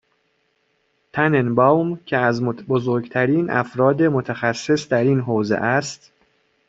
تننباوم که از بزرگترین افراد متخصّص در این حوزه است.